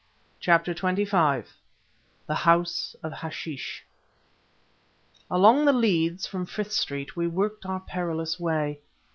CHAPTER XXV THE HOUSE OF HASHISH Along the leads from Frith Street we worked our perilous way.